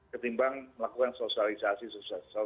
ketimbang melakukan sosialisasi sosialisasi